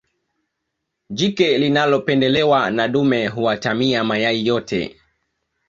jike linalopendelewa na dume huatamia mayai yote